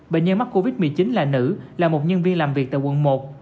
bệnh nhân mắc covid một mươi chín là nữ là một nhân viên làm việc tại quận một